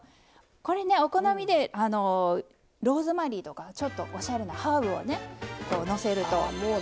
お好みでローズマリーとかちょっとおしゃれなハーブをのせると。